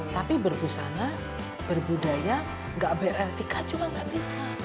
tapi berbusana berbudaya gak beretika juga gak bisa